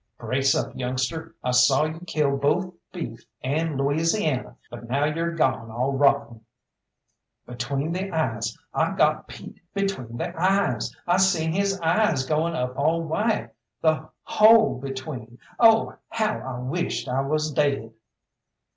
"Brace up, youngster. I saw you kill both Beef and Louisiana, but now you're gone all rotten." "Between the eyes, I got Pete between the eyes! I seen his eyes goin' up all white the hole between oh, how I wisht I was daid!"